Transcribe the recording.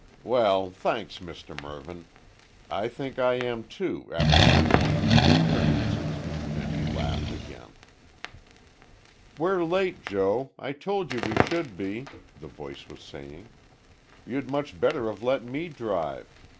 "Well, thanks, Mr Mervyn, I think I am too, after my morning's experiences," and he laughed again. "We're late, Joe. I told you we should be," the voice was saying. "You'd much better have let me drive.